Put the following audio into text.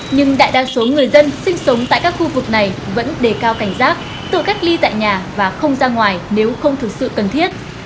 nhưng đại đa số người dân sinh sống tại các khu vực này vẫn đề cao cảnh giác tự cách ly tại nhà và không ra ngoài nếu không thực sự cần thiết